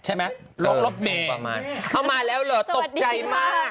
ใช่ไหมลงรถเมย์ประมาณเอามาแล้วเหรอตกใจมาก